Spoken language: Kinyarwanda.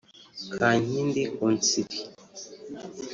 Kankindi Consilie